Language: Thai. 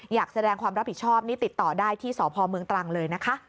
อยากแสดงความรับผิดชอบนี่ติดต่อได้ที่สพเมืองตรังเลยนะคะ